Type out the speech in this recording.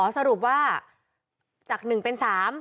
สรุปว่าจาก๑เป็น๓